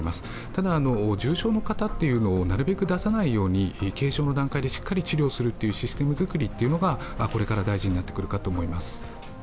ただ、重症の方をなるべく出さないように軽症の段階でしっかり治療するシステム作りがこれから大事になってくるかと思います。